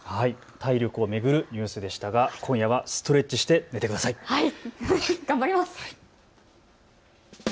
体力を巡るニュースでしたが今夜はストレッチして寝てください。